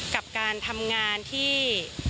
กับการทำงานที่